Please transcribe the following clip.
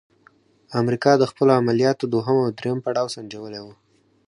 امریکا د خپلو عملیاتو دوهم او دریم پړاو سنجولی وو.